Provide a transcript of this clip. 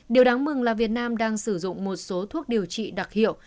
điều đáng mừng là việt nam đang sử dụng một số thuốc điều trị đặc hiệu